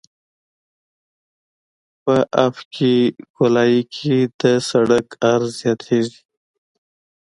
په افقي ګولایي کې د سرک عرض زیاتیږي